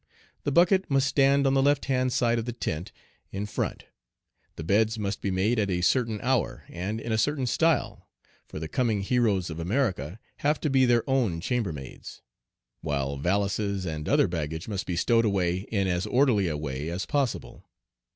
The bucket must stand on the left hand side of the tent, in front; the beds must be made at a certain hour and in a certain style for the coming heroes of America have to be their own chambermaids; while valises and other baggage must be stowed away in as orderly a way as possible.